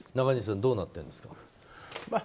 中西さんどうなってるんですか。